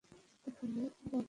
তো ফেলে দে।